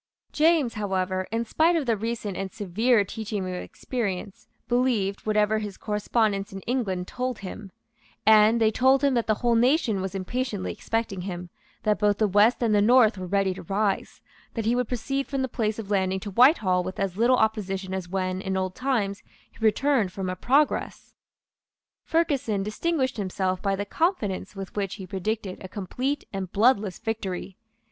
James, however, in spite of the recent and severe teaching of experience, believed whatever his correspondents in England told him; and they told him that the whole nation was impatiently expecting him, that both the West and the North were ready to rise, that he would proceed from the place of landing to Whitehall with as little opposition as when, in old times, he returned from a progress. Ferguson distinguished himself by the confidence with which he predicted a complete and bloodless victory.